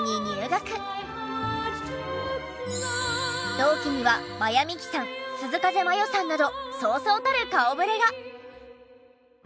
同期には真矢ミキさん涼風真世さんなどそうそうたる顔ぶれが。